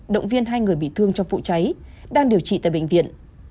động viên hai người bị thương trong vụ cháy đang điều trị tại bệnh viện